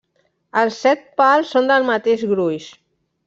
Els set pals són del mateix gruix.